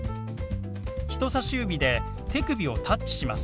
人さし指で手首をタッチします。